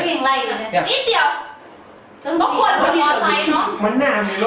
นี่เดี๋ยว